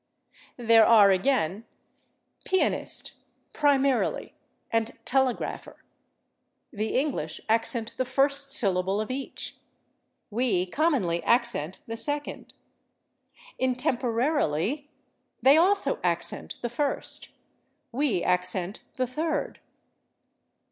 There are, again, /pianist/, /primarily/ and /telegrapher/. The English accent the first syllable of each; we commonly accent the second. In /temporarily/ they also accent the first; we accent the third.